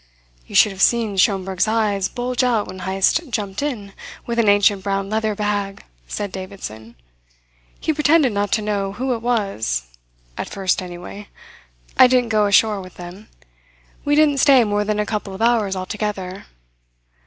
"You should have seen Schomberg's eyes bulge out when Heyst jumped in with an ancient brown leather bag!" said Davidson. "He pretended not to know who it was at first, anyway. I didn't go ashore with them. We didn't stay more than a couple of hours altogether.